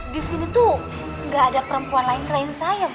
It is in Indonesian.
disini tuh gak ada perempuan lain selain saya